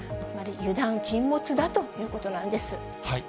つまり油断禁物だということなんです。